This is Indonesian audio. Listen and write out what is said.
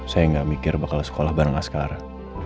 saya gak mikir bakal sekolah bareng askara